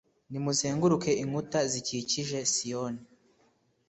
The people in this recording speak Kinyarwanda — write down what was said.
Nimuzenguruke inkuta zikikije Siyoni